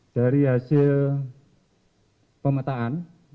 dari hasil pemetaan